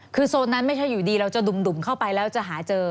คือโซนนั้นไม่ใช่อยู่ดีเราจะดุ่มเข้าไปแล้วจะหาเจอ